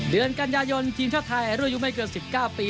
เดือนกันยายนทีมชาติไทยรุ่นอายุไม่เกิน๑๙ปี